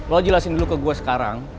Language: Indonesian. lo jelasin dulu ke gue sekarang